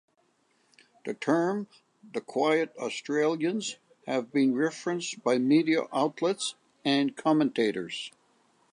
The term "The Quiet Australians" has been referenced by media outlets and commentators.